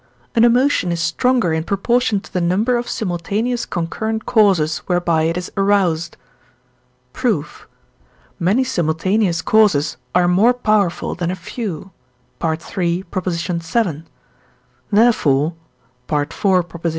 An emotion is stronger in proportion to the number of simultaneous concurrent causes whereby it is aroused. Proof. Many simultaneous causes are more powerful than a few (III. vii.): therefore (IV.